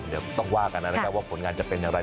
เดี๋ยวต้องว่ากันนะครับว่าผลงานจะเป็นอย่างไร